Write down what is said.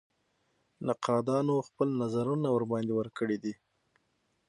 نقادانو خپل نظرونه ورباندې ورکړي دي.